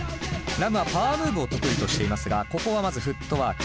ＲＡＭはパワームーブを得意としていますがここはまずフットワーク。